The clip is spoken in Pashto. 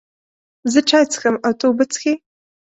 زه چای څښم او ته اوبه څښې